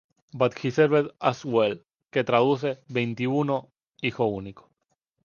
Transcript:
But he served us well" que traduce "veinti-uno, hijo único.